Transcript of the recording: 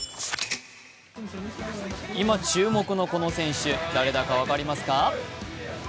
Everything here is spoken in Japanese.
今注目のこの選手、誰だか分かりますか？